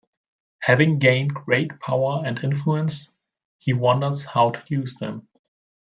Having gained great power and influence, he wonders how to use them.